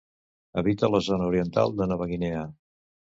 Habita la zona oriental de Nova Guinea.